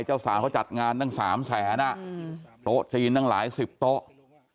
เจ้าสาวเขาจัดงานตั้ง๓แสนโต๊ะจีนตั้งหลายสิบโต๊ะ